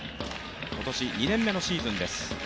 今年２年目のシーズンです。